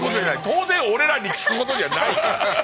当然俺らに聞くことじゃないから！